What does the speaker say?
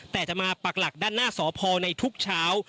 แต่จะมาปักหลักด้านหน้าสพในทุกเช้า